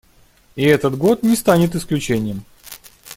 И этот год не станет исключением.